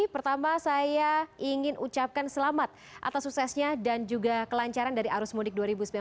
pertama saya ingin ucapkan selamat atas suksesnya dan juga kelancaran dari arus mudik dua ribu sembilan belas